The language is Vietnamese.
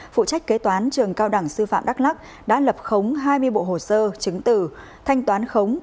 phụ trách kế toán trường cao đẳng sư phạm đắk lắc đã lập khống hai mươi bộ hồ sơ chứng tử thanh toán khống